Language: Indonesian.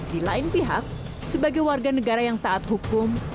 di lain pihak sebagai warga negara yang taat hukum